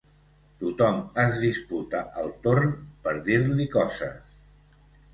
Tothom es disputa el torn per dir-li coses.